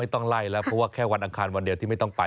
ต้องไล่แล้วเพราะว่าแค่วันอังคารวันเดียวที่ไม่ต้องไป